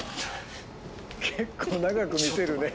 結構長く見せるね。